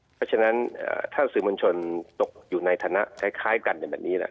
เพราะฉะนั้นถ้าสื่อมวลชนตกอยู่ในฐานะคล้ายกันในแบบนี้แหละ